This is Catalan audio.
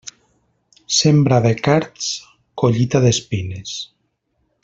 Sembra de cards, collita d'espines.